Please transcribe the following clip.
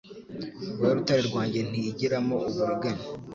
we Rutare rwanjye ntiyigiramo uburiganya